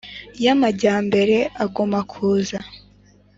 ya majyambere agumya kuza